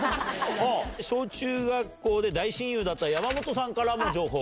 小中学校で大親友だった山本さんからの情報。